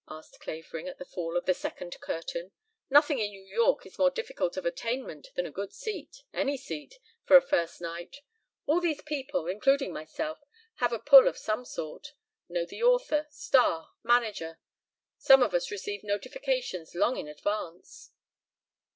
asked Clavering at the fall of the second curtain. "Nothing in New York is more difficult of attainment than a good seat any seat for a first night. All these people, including myself, have a pull of some sort know the author, star, manager. Many of us receive notifications long in advance."